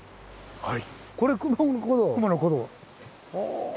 はい。